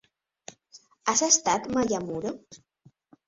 Has estat mai a Muro?